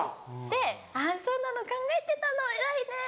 で「あっそうなの考えてたの偉いね」とか。